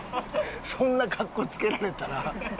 そんな格好つけられたら。